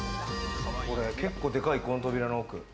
これ結構でかい、この扉の奥。